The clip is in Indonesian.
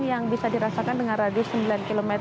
yang bisa dirasakan dengan radius sembilan km